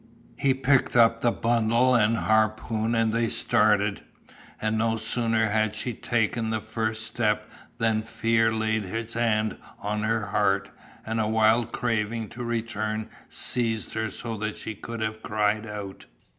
He picked up the bundle and harpoon and they started, and no sooner had she taken the first step than Fear laid his hand on her heart and a wild craving to return seized her so that she could have cried out.